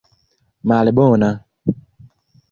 malbona